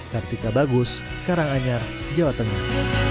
kartika bagus karanganyar jawa tengah